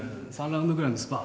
３ラウンドぐらいのスパ。